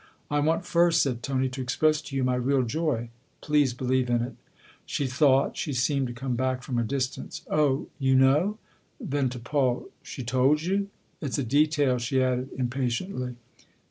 " I want first," said Tony, " to express to you my real joy. Please believe in it." She thought she seemed to come back from a distance. " Oh, you know ?" Then to Paul :" She told you ? It's a detail," she added impa tiently.